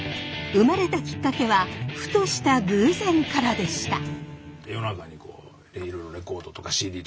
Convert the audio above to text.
生まれたきっかけはふとした偶然からでした。